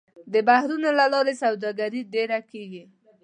د بحرونو له لارې سوداګري ډېره کېږي.